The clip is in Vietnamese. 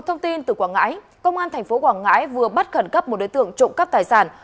thông tin từ quảng ngãi công an tp quảng ngãi vừa bắt khẩn cấp một đối tượng trộm cắp tài sản